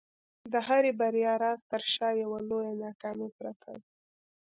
د هري بریا راز تر شا یوه لویه ناکامي پرته ده.